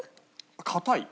硬い。